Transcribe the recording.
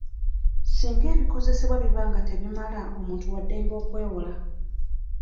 Singa ebikozesebwa biba nga tebimala, omuntu wa ddembe okwewola.